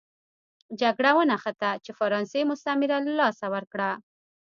جګړه ونښته چې فرانسې مستعمره له لاسه ورکړه.